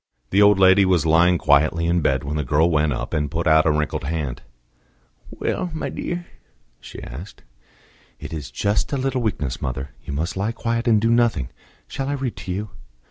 The old lady was lying quietly in bed, when the girl went up, and put out a wrinkled hand. "Well, my dear?" she asked. "It is just a little weakness, mother. You must lie quiet and do nothing. Shall I read to you?"